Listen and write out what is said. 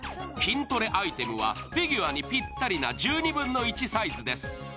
筋トレアイテムはフィギュアにぴったりな１２分の１サイズです。